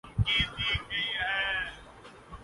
cap Town جنوبی افریقہ نے دورہ بھارت کیلئے ٹیم کا اعلان کردیا